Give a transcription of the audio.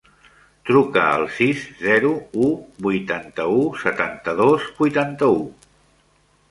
Truca al sis, zero, u, vuitanta-u, setanta-dos, vuitanta-u.